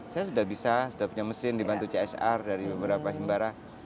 saya sudah bisa sudah punya mesin dibantu csr dari beberapa himbara